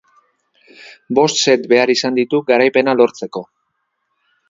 Bost set behar izan ditu garaipena lortzeko.